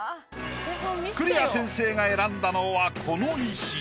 栗屋先生が選んだのはこの石。